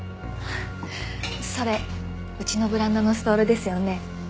それうちのブランドのストールですよね？